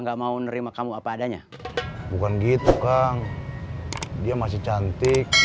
gak mau nerima kamu apa adanya bukan gitu kang dia masih cantik